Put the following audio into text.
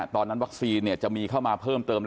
ตอนนั้นวัคซีนจะมีเข้ามาเพิ่มเติม